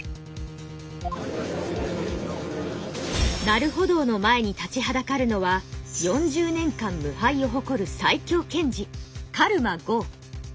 成歩堂の前に立ちはだかるのは「４０年間無敗」を誇る最強検事狩魔豪。